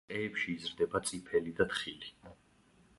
ტყეებში იზრდება წიფელი და თხილი.